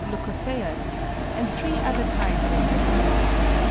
leucophaeus) and three other kinds of baboons (C.